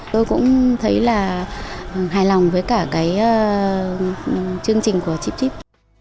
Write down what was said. tôi cũng thấy là hài lòng với cả cái chương trình của chipchip